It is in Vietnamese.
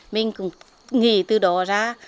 mình cũng nghĩ từ đó ra